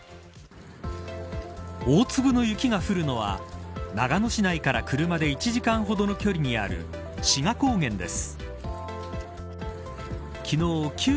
大粒の雪が降るのは長野市内から車で１時間ほどの距離にある志賀高原です。